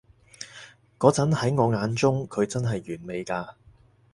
嗰陣喺我眼中，佢真係完美㗎